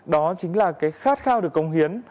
đó chính là cái khát khao được công hiến